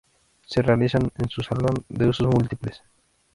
Se realizan en su Salón de Usos Múltiples.